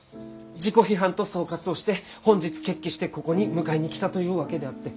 自己批判と総括をして本日決起してここに迎えに来たというわけであって。